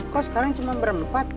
kok sekarang cuma berempat